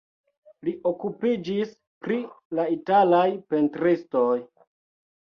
Li okupiĝis pri la italaj pentristoj.